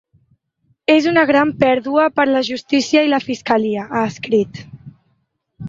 És una gran pèrdua per a la justícia i la fiscalia, ha escrit.